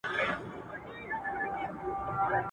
د نجات لوری یې ورک سو هري خواته !.